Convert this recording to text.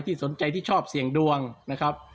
สนใจที่ชอบเสี่ยงดวงนะครับ